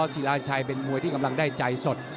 ศิลาชัยเป็นมวยที่กำลังได้ใจสด